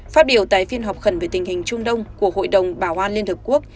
phát biểu tại phiên họp khẩn về tình hình trung đông của hội đồng bảo an liên hợp quốc